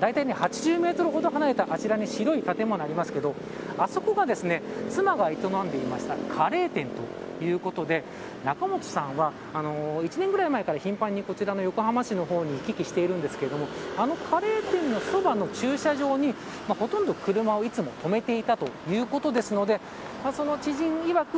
だいたい８０メートルほど離れたあちらに白い建物がありますがあそこが妻が営んでいたカレー店ということで仲本さんは１年ぐらい前から頻繁にこちらの横浜市の方に行き来しているんですがあのカレー店のそばの駐車場にほとんど車をいつも止めていたということですのでその知人いわく